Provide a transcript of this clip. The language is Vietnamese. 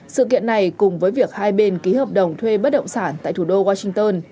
sự kiện này cùng với việc hai bên ký hợp đồng thuê bất động sản tại thủ đô washington